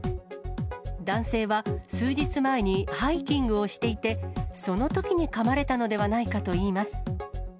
男性は数日前にハイキングをしていて、そのときにかまれたのではないかといいます。